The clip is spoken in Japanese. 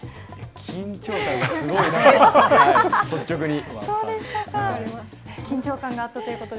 緊張感がすごいなと。